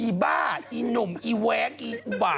อีบ้าอีหนุ่มอีแว๊กอีอุบาล